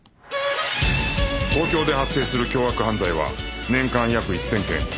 東京で発生する凶悪犯罪は年間約１０００件